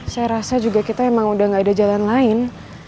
saya rasa juga kita emang udah gak ada jalan lain